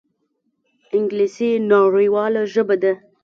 انګلیسي نړیواله ژبه ده